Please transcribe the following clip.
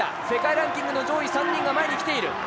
世界ランキングの上位３人が前に来ている。